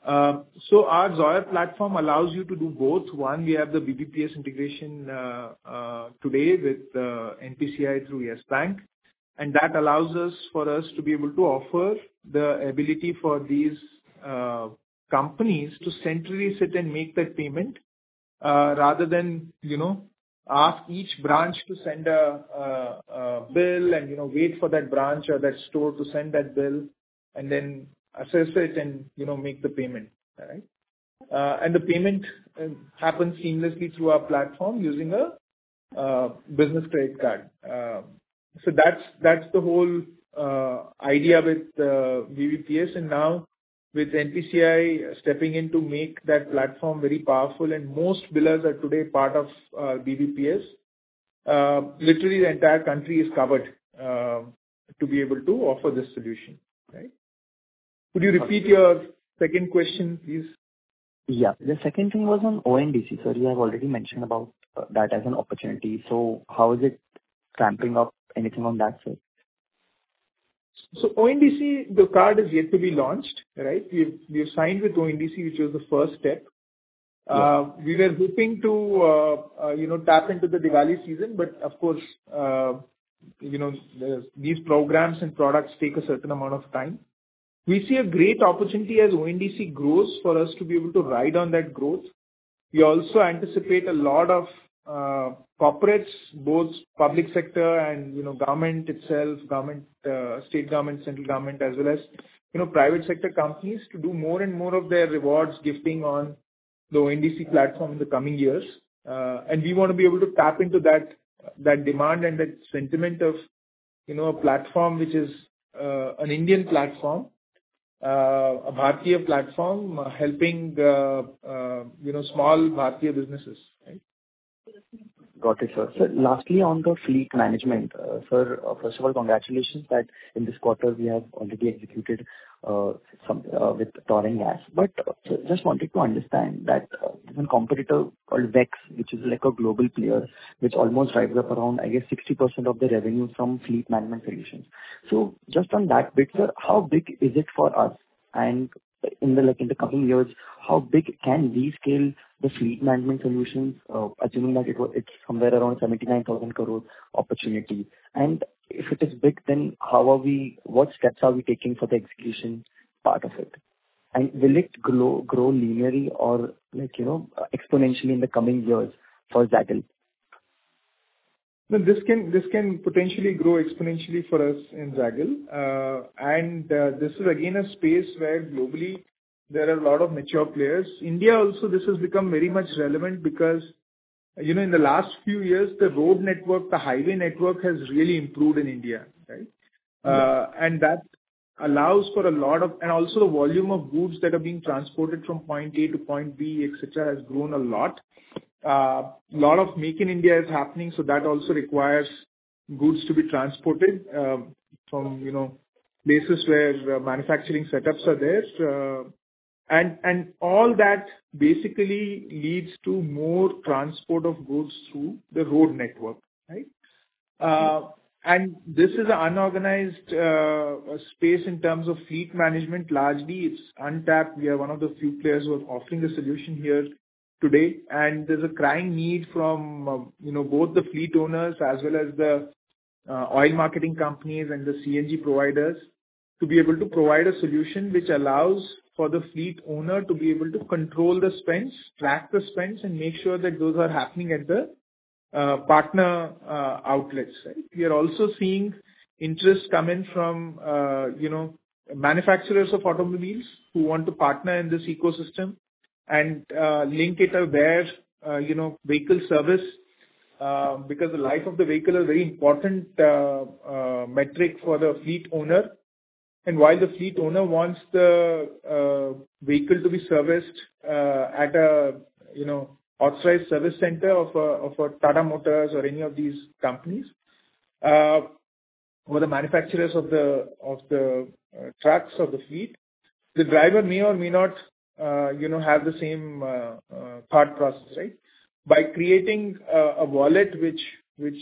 So our Zoyer platform allows you to do both. One, we have the BBPS integration today with NPCI through Yes Bank. And that allows us for us to be able to offer the ability for these companies to centrally sit and make that payment rather than ask each branch to send a bill and wait for that branch or that store to send that bill and then assess it and make the payment, right? And the payment happens seamlessly through our platform using a business credit card. So that's the whole idea with BBPS. And now with NPCI stepping in to make that platform very powerful, and most billers are today part of BBPS, literally the entire country is covered to be able to offer this solution, right? Yes. Could you repeat your second question, please? Yeah. The second thing was on ONDC, sir. You have already mentioned about that as an opportunity. So how is it ramping up? Anything on that, sir? So ONDC, the card is yet to be launched, right? We have signed with ONDC, which was the first step. We were hoping to tap into the Diwali season, but of course, these programs and products take a certain amount of time. We see a great opportunity as ONDC grows for us to be able to ride on that growth. We also anticipate a lot of corporates, both public sector and government itself, state government, central government, as well as private sector companies to do more and more of their rewards gifting on the ONDC platform in the coming years. And we want to be able to tap into that demand and that sentiment of a platform which is an Indian platform, a Bharatiya platform, helping small Bharatiya businesses, right? Got it, sir. So lastly, on the fleet management, sir, first of all, congratulations that in this quarter, we have already executed with Torrent Gas. But just wanted to understand that there's a competitor called WEX, which is like a global player, which almost drives up around, I guess, 60% of the revenue from fleet management solutions. So just on that bit, sir, how big is it for us? And in the coming years, how big can we scale the fleet management solutions, assuming that it's somewhere around 79,000 crore opportunity? And if it is big, then what steps are we taking for the execution part of it? And will it grow linearly or exponentially in the coming years for ZaTix? This can potentially grow exponentially for us in ZaTix. This is, again, a space where globally, there are a lot of mature players. India also, this has become very much relevant because in the last few years, the road network, the highway network has really improved in India, right? That allows for and also, the volume of goods that are being transported from point A to point B, etc., has grown a lot. A lot of Make in India is happening, so that also requires goods to be transported from places where manufacturing setups are there. All that basically leads to more transport of goods through the road network, right? This is an unorganized space in terms of fleet management. Largely, it's untapped. We are one of the few players who are offering a solution here today. And there's a crying need from both the fleet owners as well as the oil marketing companies and the CNG providers to be able to provide a solution which allows for the fleet owner to be able to control the spends, track the spends, and make sure that those are happening at the partner outlets, right? We are also seeing interest come in from manufacturers of automobiles who want to partner in this ecosystem and link it to their vehicle service because the life of the vehicle is a very important metric for the fleet owner. And while the fleet owner wants the vehicle to be serviced at an authorized service center of Tata Motors or any of these companies or the manufacturers of the trucks or the fleet, the driver may or may not have the same thought process, right? By creating a wallet which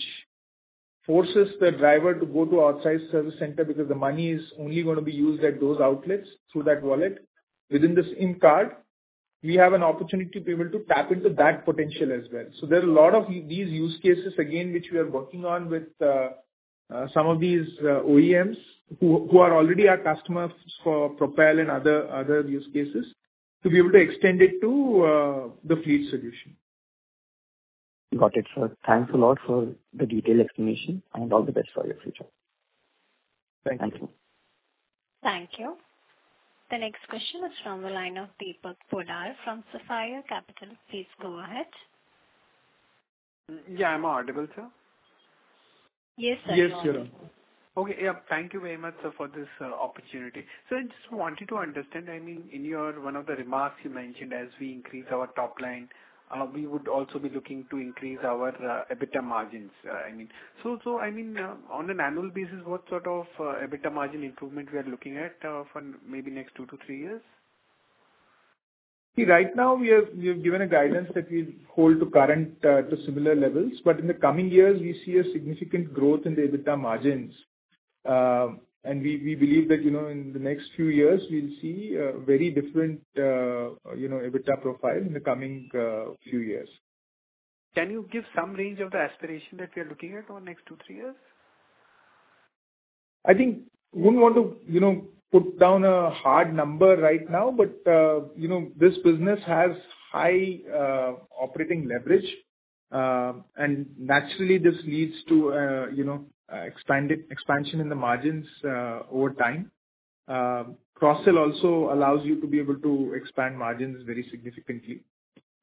forces the driver to go to an outside service center because the money is only going to be used at those outlets through that wallet within the same card, we have an opportunity to be able to tap into that potential as well. So there are a lot of these use cases, again, which we are working on with some of these OEMs who are already our customers for Propel and other use cases to be able to extend it to the fleet solution. Got it, sir. Thanks a lot for the detailed explanation. And all the best for your future. Thank you. Thank you. Thank you. The next question is from the line of Deepak Poddar from Sapphire Capital. Please go ahead. Yeah. I'm audible, sir? Yes, sir. Yes, you're on. Okay. Yeah. Thank you very much for this opportunity. So I just wanted to understand. I mean, in one of the remarks you mentioned, as we increase our top line, we would also be looking to increase our EBITDA margins. I mean, so I mean, on an annual basis, what sort of EBITDA margin improvement we are looking at for maybe next two to three years? See, right now, we have given a guidance that we hold to current or similar levels, but in the coming years, we see a significant growth in the EBITDA margins, and we believe that in the next few years, we'll see a very different EBITDA profile in the coming few years. Can you give some range of the aspiration that we are looking at for next two to three years? I think I wouldn't want to put down a hard number right now, but this business has high operating leverage. And naturally, this leads to expansion in the margins over time. Cross-sell also allows you to be able to expand margins very significantly.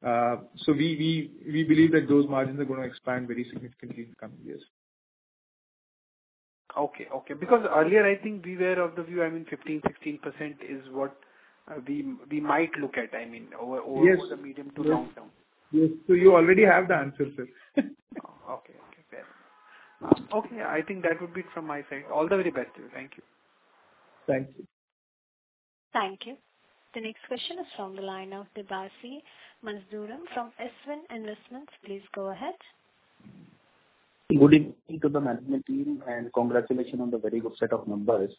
So we believe that those margins are going to expand very significantly in the coming years. Okay. Okay. Because earlier, I think we were of the view, I mean, 15%-16% is what we might look at, I mean, over the medium to long term. Yes. Yes. So you already have the answer, sir. Okay. Very good. Okay. I think that would be it from my side. All the very best to you. Thank you. Thank you. Thank you. The next question is from the line of Debashish Mazumdar from Svan Investments. Please go ahead. Good evening to the management team, and congratulations on the very good set of numbers.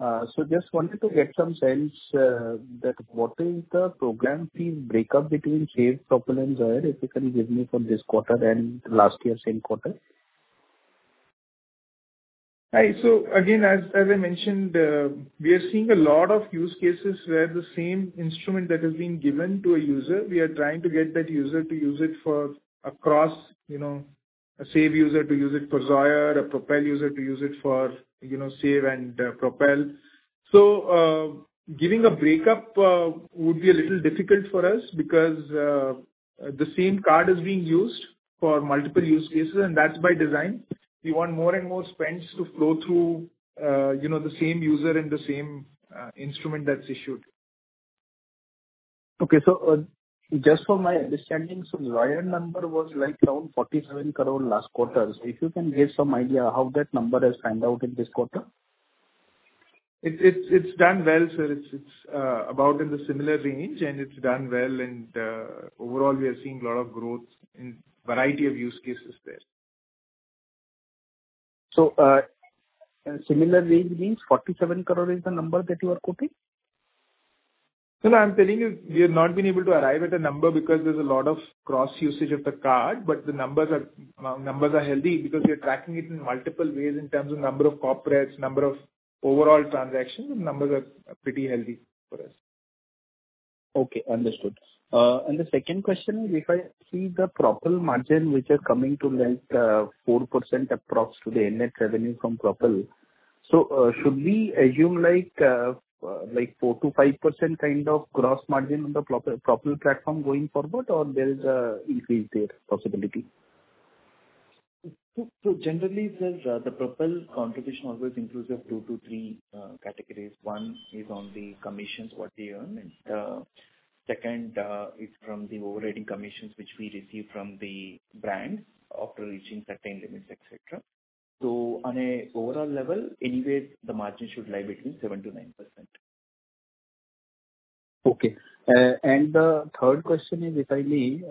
So just wanted to get some sense that what is the program fee breakup between shared Propel and ZaTix, if you can give me for this quarter and last year's same quarter? Hi. Again, as I mentioned, we are seeing a lot of use cases where the same instrument that has been given to a user, we are trying to get that user to use it across a Save user to use it for ZaTix, a Propel user to use it for Save and Propel. Giving a break-up would be a little difficult for us because the same card is being used for multiple use cases, and that's by design. We want more and more spends to flow through the same user and the same instrument that's issued. Okay. So just from my understanding, so the ZaTix number was like around 47 crore last quarter. So if you can give some idea how that number has panned out in this quarter? It's done well, sir. It's about in the similar range, and it's done well. And overall, we are seeing a lot of growth in a variety of use cases there. So similar range means 47 crore is the number that you are quoting? I'm telling you, we have not been able to arrive at a number because there's a lot of cross-usage of the card, but the numbers are healthy because we are tracking it in multiple ways in terms of number of corporates, number of overall transactions. The numbers are pretty healthy for us. Okay. Understood. And the second question is, if I see the Propel margin which is coming to like 4% approximately to the end net revenue from Propel, so should we assume like 4%-5% kind of gross margin on the Propel platform going forward, or there is an increase there possibility? So generally, sir, the Propel contribution always includes two to three categories. One is on the commissions, what they earn. And second is from the overriding commissions which we receive from the brand after reaching certain limits, etc. So on an overall level, anyway, the margin should lie between 7%-9%. Okay. And the third question is, if I may,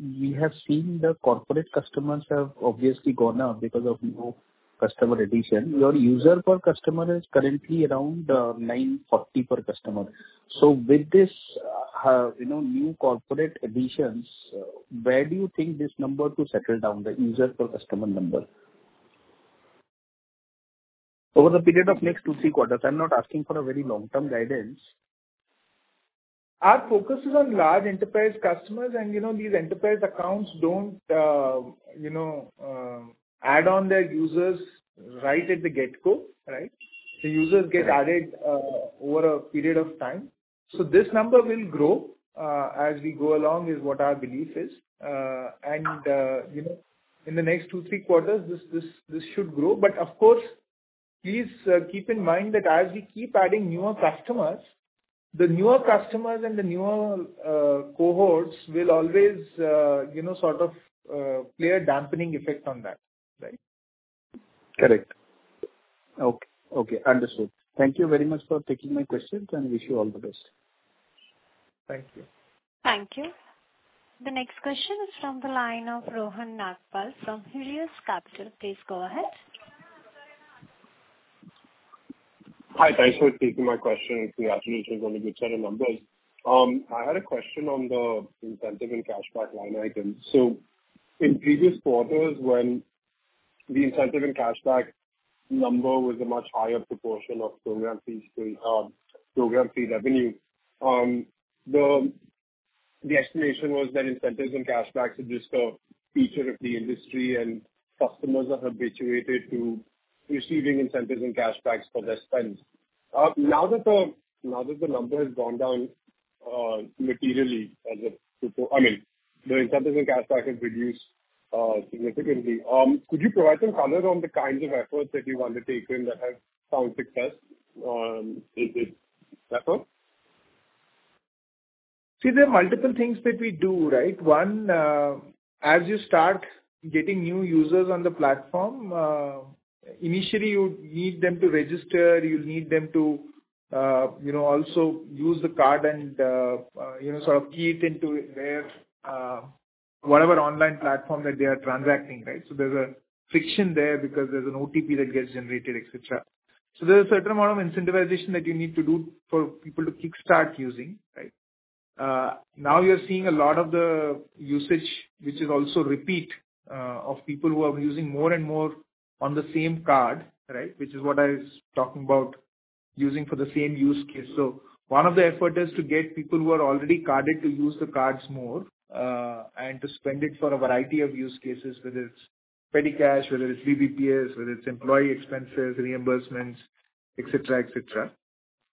we have seen the corporate customers have obviously gone up because of new customer addition. Your user per customer is currently around 940 per customer. So with these new corporate additions, where do you think this number could settle down, the user per customer number? Over the period of next two to three quarters. I'm not asking for a very long-term guidance. Our focus is on large enterprise customers, and these enterprise accounts don't add on their users right at the get-go, right? The users get added over a period of time. So this number will grow as we go along is what our belief is. And in the next two-to-three quarters, this should grow. But of course, please keep in mind that as we keep adding newer customers, the newer customers and the newer cohorts will always sort of play a dampening effect on that, right? Correct. Okay. Okay. Understood. Thank you very much for taking my questions, and I wish you all the best. Thank you. Thank you. The next question is from the line of Rohan Nagpal from Helios Capital. Please go ahead. Hi. Thanks for taking my question. We are actually going to go to a good set of numbers. I had a question on the incentive and cashback line item. So in previous quarters, when the incentive and cashback number was a much higher proportion of program fee revenue, the estimation was that incentives and cashbacks are just a feature of the industry, and customers are habituated to receiving incentives and cashbacks for their spends. Now that the number has gone down materially, I mean, the incentives and cashbacks have reduced significantly. Could you provide some color on the kinds of efforts that you've undertaken that have found success in this effort? See, there are multiple things that we do, right? One, as you start getting new users on the platform, initially, you need them to register. You'll need them to also use the card and sort of key it into whatever online platform that they are transacting, right? So there's a friction there because there's an OTP that gets generated, etc. So there's a certain amount of incentivization that you need to do for people to kickstart using, right? Now you're seeing a lot of the usage, which is also repeat, of people who are using more and more on the same card, right, which is what I was talking about using for the same use case. So one of the efforts is to get people who are already carded to use the cards more and to spend it for a variety of use cases, whether it's petty cash, whether it's BBPS, whether it's employee expenses, reimbursements, etc., etc.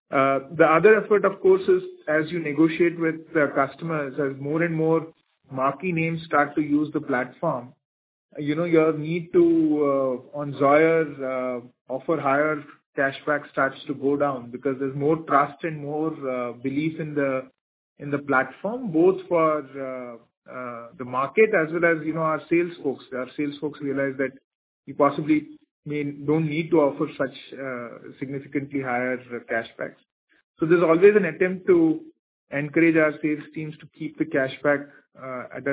The other effort, of course, is as you negotiate with customers, as more and more marquee names start to use the platform, your need on ZaTix offer higher cashback starts to go down because there's more trust and more belief in the platform, both for the market as well as our sales folks. Our sales folks realize that we possibly don't need to offer such significantly higher cashbacks. So there's always an attempt to encourage our sales teams to keep the cashback at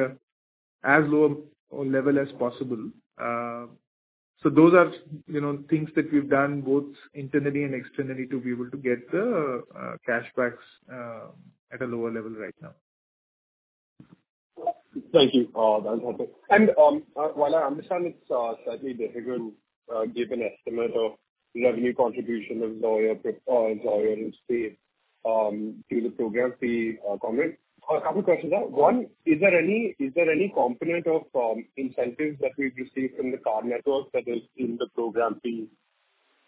as low a level as possible. So those are things that we've done both internally and externally to be able to get the cashbacks at a lower level right now. Thank you. That's helpful. And while I understand it's slightly difficult, given the estimate of revenue contribution of ZaTix and ZaTix to the program fee comment, a couple of questions. One, is there any component of incentives that we've received from the card network that is in the program fee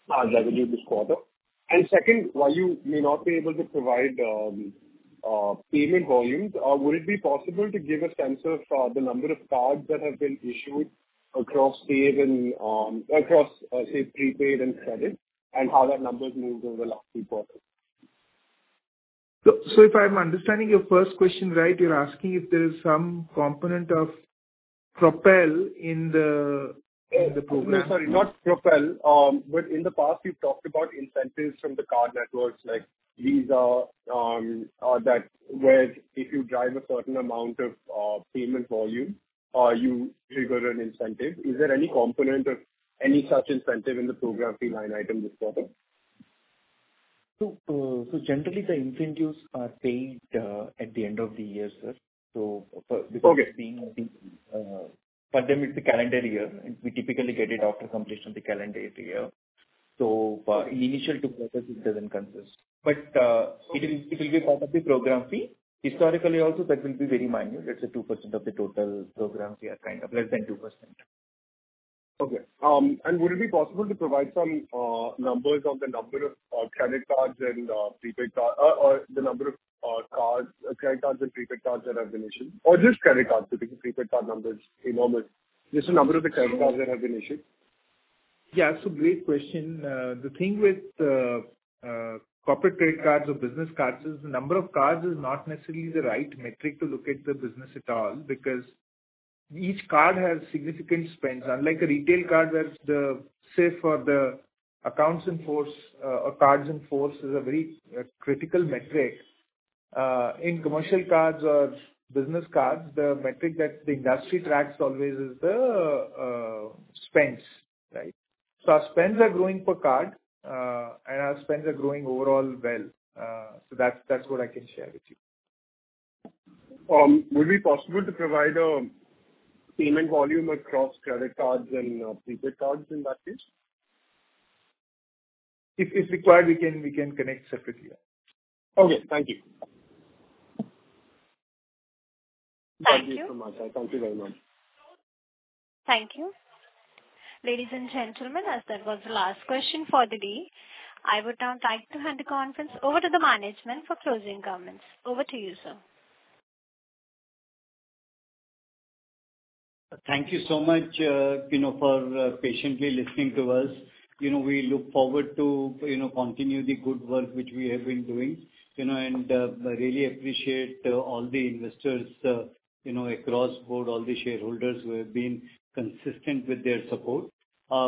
revenue this quarter? And second, while you may not be able to provide payment volumes, would it be possible to give a sense of the number of cards that have been issued across prepaid and credit and how that number has moved over the last three quarters? So if I'm understanding your first question right, you're asking if there is some component of Propel in the program? Sorry. Not Propel, but in the past, you've talked about incentives from the card networks like Visa or that where if you drive a certain amount of payment volume, you trigger an incentive. Is there any component of any such incentive in the program fee line item this quarter? So generally, the incentives are paid at the end of the year, sir. So because being the program is the calendar year, and we typically get it after completion of the calendar year. So initial two quarters, it doesn't consist. But it will be part of the program fee. Historically, also, that will be very minor. Let's say 2% of the total program fee or kind of less than 2%. Okay. And would it be possible to provide some numbers of the number of credit cards and prepaid cards or the number of credit cards and prepaid cards that have been issued? Or just credit cards, because prepaid card number is enormous. Just the number of the credit cards that have been issued? Yeah. So great question. The thing with corporate credit cards or business cards is the number of cards is not necessarily the right metric to look at the business at all because each card has significant spends. Unlike a retail card where the CIF or the accounts in force or cards in force is a very critical metric. In commercial cards or business cards, the metric that the industry tracks always is the spends, right? So our spends are growing per card, and our spends are growing overall well. So that's what I can share with you. Would it be possible to provide a payment volume across credit cards and prepaid cards in that case? If required, we can connect separately. Okay. Thank you. Thank you so much. I thank you very much. Thank you. Ladies and gentlemen, as that was the last question for the day, I would now like to hand the conference over to the management for closing comments. Over to you, sir. Thank you so much for patiently listening to us. We look forward to continue the good work which we have been doing and really appreciate all the investors across board, all the shareholders who have been consistent with their support.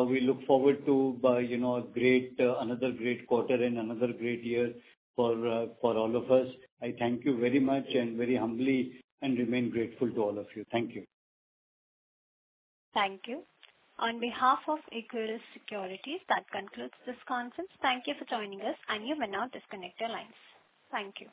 We look forward to another great quarter and another great year for all of us. I thank you very much and very humbly and remain grateful to all of you. Thank you. Thank you. On behalf of Equirus Securities, that concludes this conference. Thank you for joining us, and you may now disconnect your lines. Thank you.